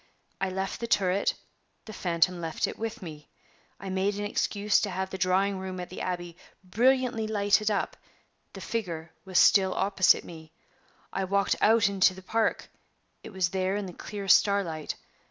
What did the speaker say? I left the turret; the phantom left it with me. I made an excuse to have the drawing room at the Abbey brilliantly lighted up; the figure was still opposite me. I walked out into the park; it was there in the clear starlight.